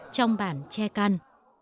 trong bản che căn